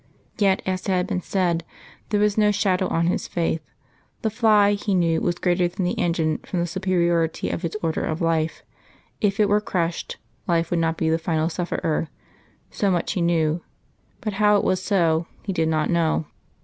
Yet, as has been said, there was no shadow on his faith; the fly he knew was greater than the engine from the superiority of its order of life; if it were crushed, life would not be the final sufferer; so much he knew, but how it was so, he did not know.